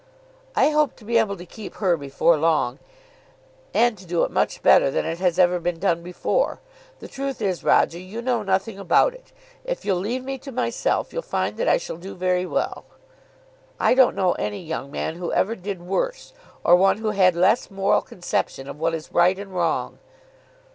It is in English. "I hope to be able to keep her before long, and to do it much better than it has ever been done before. The truth is, Roger, you know nothing about it. If you'll leave me to myself, you'll find that I shall do very well." "I don't know any young man who ever did worse, or one who had less moral conception of what is right and wrong."